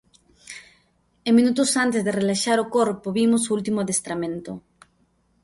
E minutos antes de relaxar o corpo vimos o último adestramento.